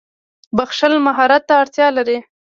• بښل مهارت ته اړتیا لري.